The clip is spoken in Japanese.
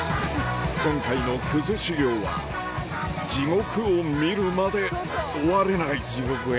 今回のクズ修行は地獄を見るまで終われない「地獄編」。